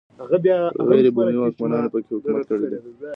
غیر بومي واکمنانو په کې حکومت کړی دی